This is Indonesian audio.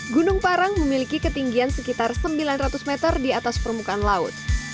gunung parang memiliki ketinggian sekitar sembilan ratus meter di atas permukaan laut